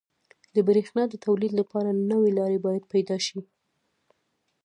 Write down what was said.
• د برېښنا د تولید لپاره نوي لارې باید پیدا شي.